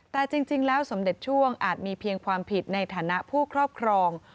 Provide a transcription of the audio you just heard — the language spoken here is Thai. แต่จริงแล้วสมเด็จช่วงอาจมีเพียงความผิดในฐานะผู้ครอบครอง